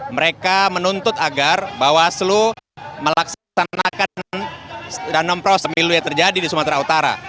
mereka menuntut agar bawaslu melaksanakan dan memprosemilu yang terjadi di sumatera utara